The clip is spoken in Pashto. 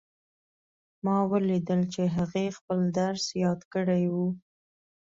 ما ولیدل چې هغې خپل درس یاد کړی وو